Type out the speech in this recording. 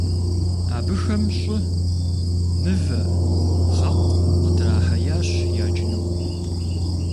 Абыхэм щӀы, мывэ, пхъэкъу къыдрахьеящ яджыну.